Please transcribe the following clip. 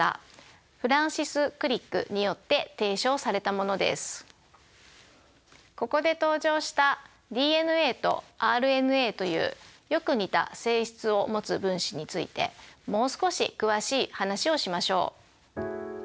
このここで登場したＤＮＡとＲＮＡというよく似た性質を持つ分子についてもう少し詳しい話をしましょう。